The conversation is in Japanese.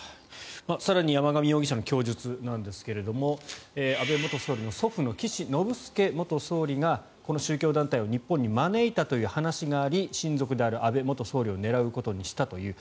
更に山上容疑者の供述なんですが安倍元総理の祖父の岸信介元総理がこの宗教団体を日本に招いたという話があり親族である安倍元総理を狙うことにしたという。